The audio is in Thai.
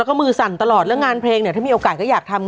แล้วก็มือสั่นตลอดเรื่องงานเพลงเนี่ยถ้ามีโอกาสก็อยากทำ